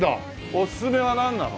おすすめはなんなの？